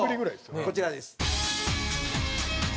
こちらです。